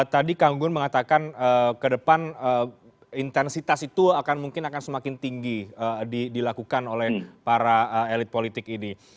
tadi kang gun mengatakan ke depan intensitas itu akan mungkin akan semakin tinggi dilakukan oleh para elit politik ini